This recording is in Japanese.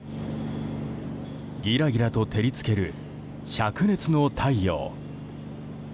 ギラギラと照り付ける灼熱の太陽。